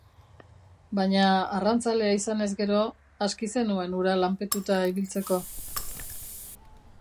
Baina arrantzalea izanez gero, aski zenuen hura lanpetuta ibiltzeko.